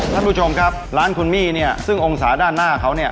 ท่านประธานร้านคุณมี่เนี่ยซึ่งองศาด้านหน้าเขาเนี่ย